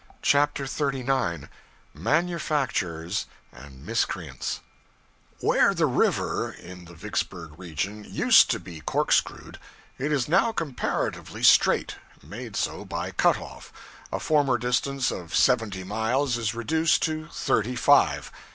CHAPTER 39 Manufactures and Miscreants WHERE the river, in the Vicksburg region, used to be corkscrewed, it is now comparatively straight made so by cut off; a former distance of seventy miles is reduced to thirty five.